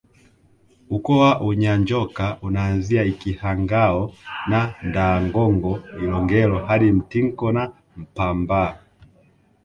Ukoo wa Unyanjoka unaanzia Ikhangao na Ndaangongo Ilongero hadi Mtinko na Mpambaa